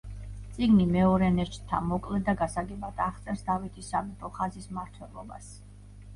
წიგნი „მეორე ნეშტთა“ მოკლედ და გასაგებად აღწერს დავითის სამეფო ხაზის მმართველობას.